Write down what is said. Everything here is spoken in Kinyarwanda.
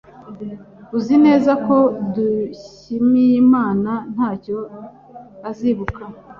Uzi neza ko Dushyimiyimana ntacyo azibuka?